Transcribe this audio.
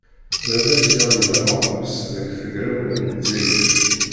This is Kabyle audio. Baba-s, yeɣli d ameɣras deg tegrawla n Lezzayer.